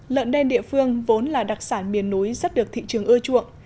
lợn đen địa phương vốn là đặc sản miền núi rất được thị trường ưa chuộng